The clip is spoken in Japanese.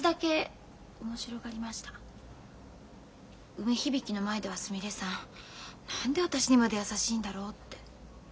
梅響の前ではすみれさん何で私にまで優しいんだろうって。